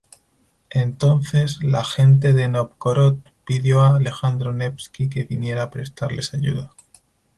Entonces, la gente de Nóvgorod pidió a Alejandro Nevski que viniera a prestarles ayuda.